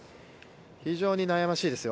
非常に悩ましいですよ。